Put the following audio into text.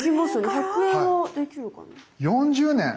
１００円はできるかな。